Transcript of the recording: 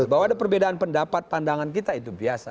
bahwa ada perbedaan pendapat pandangan kita itu biasa